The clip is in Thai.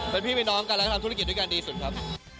เป็นพี่น้องกันแล้วก็ทำธุรกิจด้วยกันดีสุดครับ